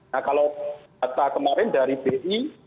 nah kalau data kemarin dari bi